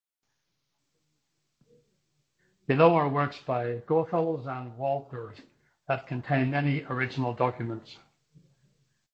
Below are works by Goethals and Wolters that contain many original documents.